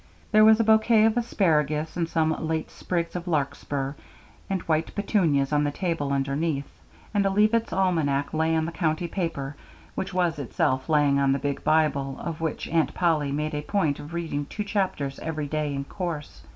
There was a bouquet of asparagus and some late sprigs of larkspur and white petunias on the table underneath, and a Leavitt's Almanac lay on the county paper, which was itself lying on the big Bible, of which Aunt Polly made a point of reading two chapters every day in course.